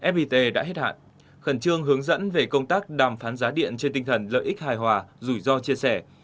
fit đã hết hạn khẩn trương hướng dẫn về công tác đàm phán giá điện trên tinh thần lợi ích hài hòa rủi ro chia sẻ